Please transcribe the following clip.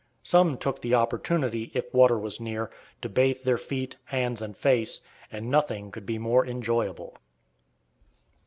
Some took the opportunity, if water was near, to bathe their feet, hands, and face, and nothing could be more enjoyable.